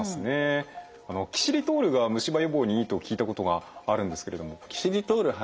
あのキシリトールが虫歯予防にいいと聞いたことがあるんですけれども。